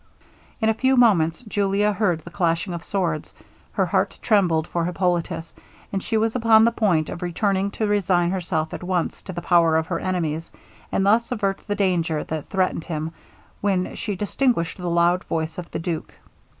In a few moments Julia heard the clashing of swords. Her heart trembled for Hippolitus; and she was upon the point of returning to resign herself at once to the power of her enemies, and thus avert the danger that threatened him, when she distinguished the loud voice of the duke.